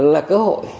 là cơ hội